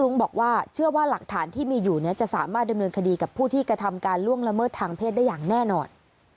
เงินคดีกับผู้ที่กระทำการล่วงละเมิดทางเพศได้อย่างแน่นอน